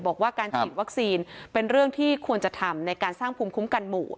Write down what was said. บอกว่าการฉีดวัคซีนเป็นเรื่องที่ควรจะทำในการสร้างภูมิคุ้มกันหมู่